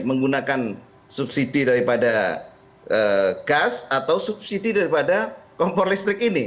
menggunakan subsidi daripada gas atau subsidi daripada kompor listrik ini